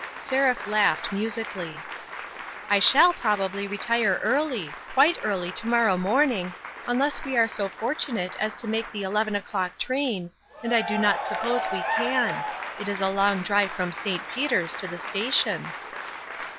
Seraph laughed musically. " I shall probably retire early ; quite early to morrow morning, unless we are so fortunate as to make the eleven o'clock train, and I do not suppose we can ; it is a long drive from St. Peter's to the station."